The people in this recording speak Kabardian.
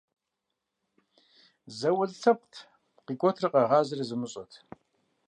ЗауэлӀ лъэпкът, къикӀуэтрэ къэгъазэрэ зымыщӀэт.